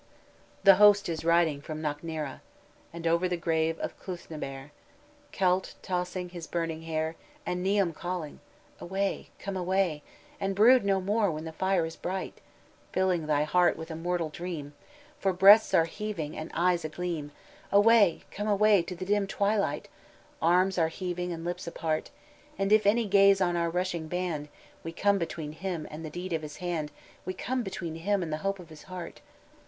"The host is riding from Knocknarea And over the grave of Clooth na bare; Caolte tossing his burning hair, And Niam calling: 'Away, come away; "'And brood no more where the fire is bright, Filling thy heart with a mortal dream; For breasts are heaving and eyes a gleam: Away, come away to the dim twilight "'Arms are heaving and lips apart; And if any gaze on our rushing band, We come between him and the deed of his hand, We come between him and the hope of his heart.'